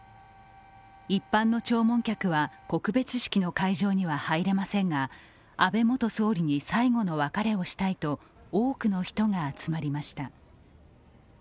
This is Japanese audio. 一般の弔問客は、告別式の会場には入れませんが、安倍元総理に最後の別れをしたいと多くの人が集まりました。